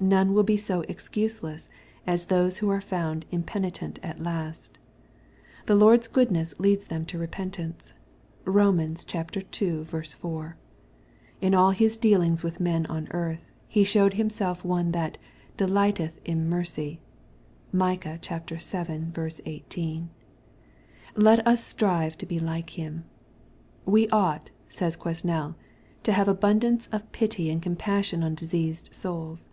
None will be so excuse less as those who are found impenitent at last. The Lord's goodness leads them to repentance. (Bom. ii. 4.) In all His dealings with men on earth, He showed him self one that " delighteth in mercy." (Micah vii. 18.) Let us strive to be like Him. "We ought/' says Quesnel, " to have abundance of pity and compassion on diseased souls."